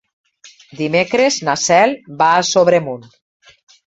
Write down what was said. Dimecres na Cel va a Sobremunt.